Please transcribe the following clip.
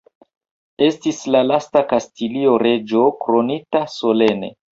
Estis la lasta kastilia reĝo kronita solene.